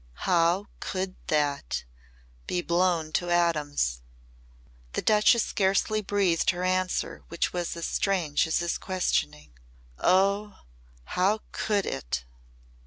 "How could that be blown to atoms?" The Duchess scarcely breathed her answer which was as strange as his questioning. "Oh! How could it!"